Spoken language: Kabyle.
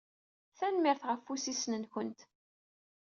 Tanemmirt ɣef wussisen-nwent.